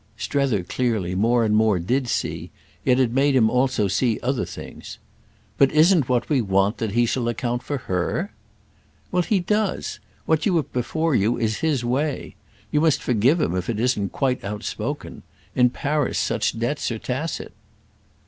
Strether clearly, more and more, did see; yet it made him also see other things. "But isn't what we want that he shall account for her?" "Well, he does. What you have before you is his way. You must forgive him if it isn't quite outspoken. In Paris such debts are tacit."